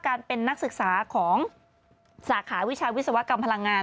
การเป็นนักศึกษาของสาขาวิชาวิศวกรรมพลังงาน